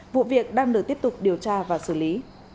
vụ việc đang được tiếp tục điều tra và xử lý